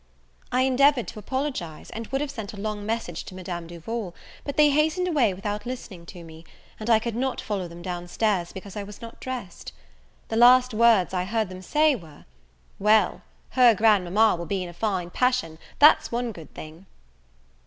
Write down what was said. I endeavoured to apologize, and would have sent a long message to Madame Duval: but they hastened away without listening to me; and I could not follow them down stairs, because I was not dressed. The last words I heard them say were, "Well, her grandmama will be in a fine passion, that's one good thing."